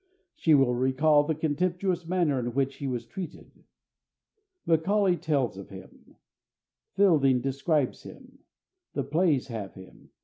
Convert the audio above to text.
She will recall the contemptuous manner in which he was treated. Macaulay tells of him. Fielding describes him. The plays have him.